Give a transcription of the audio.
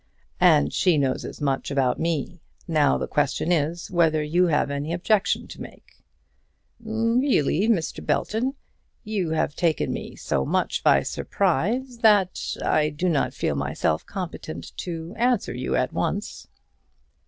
"And she knows as much about me. Now the question is, whether you have any objection to make?" "Really, Mr. Belton, you have taken me so much by surprise that I do not feel myself competent to answer you at once."